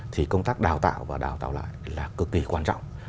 thì công tác đào tạo và đào tạo lại là cực kỳ quan trọng